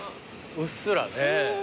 うっすらね。